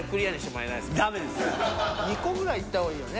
２個くらいいったほうがいいよね。